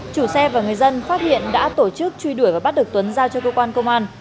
chủ xe và người dân phát hiện đã tổ chức truy đuổi và bắt được tuấn giao cho cơ quan công an